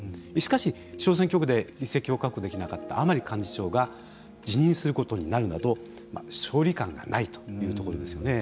しかし、小選挙区で議席を確保できなかった甘利幹事長が辞任することになるなど勝利感がないというところですよね。